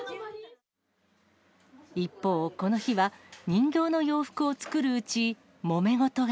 一方、この日は人形の洋服を作るうち、もめ事が。